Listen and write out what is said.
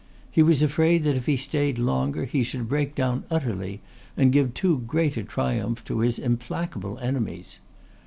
He was afraid if he stayed longer that he should break down utterly, and give too great a triumph to his implacable enemies.